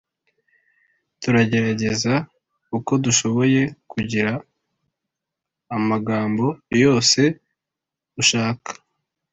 turagerageza uko dushoboye kugira amagambo yose ushaka